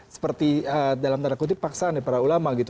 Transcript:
seperti dalam tanda kutip paksaan nih para ulama gitu